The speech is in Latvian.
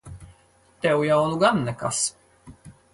Tev jau nu gan nekas!